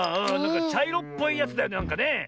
ちゃいろっぽいやつだよねなんかね。